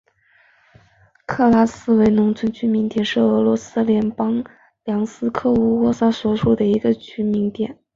克拉斯诺维奇农村居民点是俄罗斯联邦布良斯克州乌涅恰区所属的一个农村居民点。